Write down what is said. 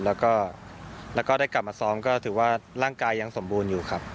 แล้วก็ได้กลับมาซ้อมก็ถือว่าร่างกายยังสมบูรณ์อยู่ครับ